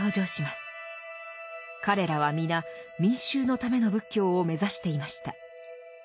彼らは皆民衆のための仏教を目指していました。